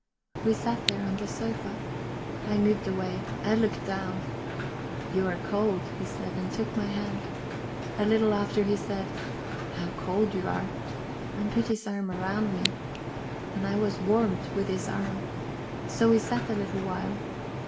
"We sat there on the sofa; I moved away. I looked down. "'You are cold,' he said, and took my hand. A little after he said: 'How cold you are!' and put his arm round me. "And I was warmed with his arm. So we sat a little while.